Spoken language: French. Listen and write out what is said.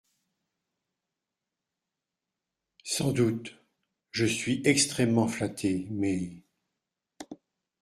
Sans doute… je suis extrêmement flatté, mais…